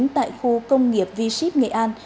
tại khu công nghiệp v ship nghệ an